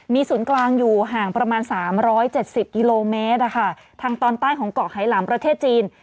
มีศูนย์กลางอยู่ห่างประมาณสามร้อยเจ็ดสิบกิโลเมตรอ่ะค่ะทางตอนใต้ของเกาะไฮลัมประเทศจีน